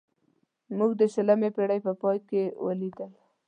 موږ د شلمې پېړۍ په پای کې ولیدل.